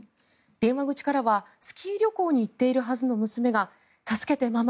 電話口からはスキー旅行に行っているはずの娘が助けてママ！